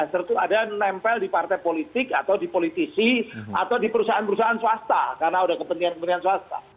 buzzer itu ada yang menempel di partai politik atau di politisi atau di perusahaan perusahaan swasta karena sudah kepentingan kepentingan swasta